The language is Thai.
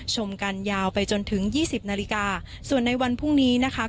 ชมกันยาวไปจนถึงยี่สิบนาฬิกาส่วนในวันพรุ่งนี้นะคะ